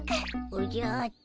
おじゃっと。